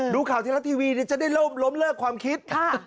ดูข่าวเทลาส์ทีวีนี่จะได้ล้มเลิกความคิด